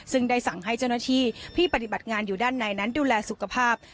ซึ่งได้สั่งให้เจ้าหน้าที่ที่ปฏิบัติงานอยู่ด้านในนั้นดูแลสุขภาพ